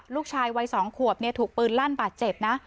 ลูกชายวัย๒ขวบถูกปืนลั่นบาดเจ็บนะ